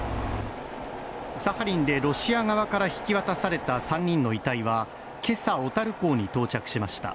サハリンでロシア側から引き渡された３人の遺体は今朝、小樽港に到着しました。